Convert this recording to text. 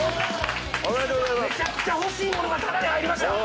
めちゃくちゃ欲しいものがタダで入りました！